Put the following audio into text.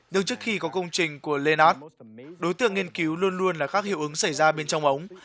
nhưng trước khi có công trình của lenart đối tượng nghiên cứu luôn luôn là các hiệu ứng xảy ra bên trong ống